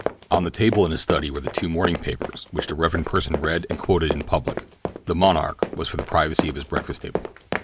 On the table in his study were the two morning papers which the Rev. Pursen read and quoted in public—the Monarch was for the privacy of his breakfast table.